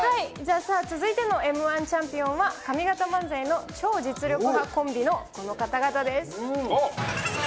続いてのＭー１チャンピオンは、上方漫才の超実力派コンビのこの方々です。